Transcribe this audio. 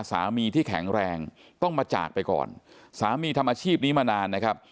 สามีที่แข็งแรงต้องมาจากไปก่อนสามีทำอาชีพนี้มานานนะครับ